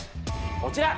こちら！